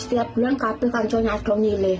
setiap bulan kata kanco nya aslongi leh